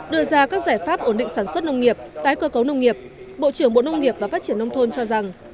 đưa ra các giải pháp ổn định sản xuất nông nghiệp tái cơ cấu nông nghiệp bộ trưởng bộ nông nghiệp và phát triển nông thôn cho rằng